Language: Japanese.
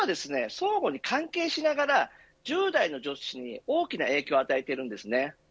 相互に関係しながら１０代の女子に、大きな影響を与えているんですね。